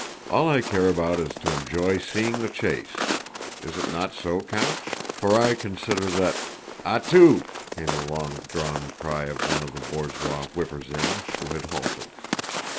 All I care about is to enjoy seeing the chase, is it not so, Count? For I consider that..." "A tu!" came the long drawn cry of one of the borzoi whippers in, who had halted.